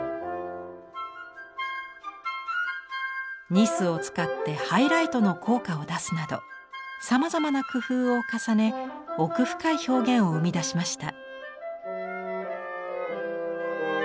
ニスを使ってハイライトの効果を出すなどさまざまな工夫を重ね奥深い表現を生み出しました。